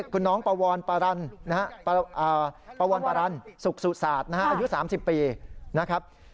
คุณน้องปวรรณปวรปรันสุขสุศาสตร์นะฮะอายุ๓๐ปีนะครับ